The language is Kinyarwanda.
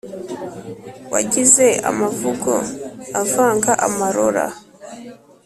wagize amavugo uvanga amarora,